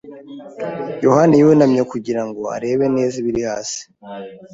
yohani yunamye kugira ngo arebe neza ibiri hasi.